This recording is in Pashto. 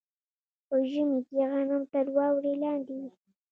په ژمي کې غنم تر واورې لاندې وي.